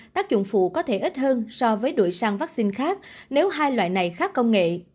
tác dụng phụ có thể ít hơn so với đuổi sang vaccine khác nếu hai loại này khác công nghệ